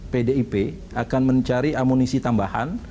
pdip akan mencari amunisi tambahan